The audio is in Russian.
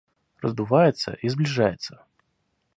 Раздувается и сближается.